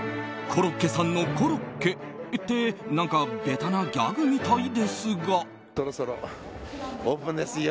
コロッケさんのコロッケってベタなギャグみたいですが。